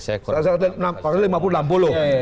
saya kalau lihat lima puluh enam puluh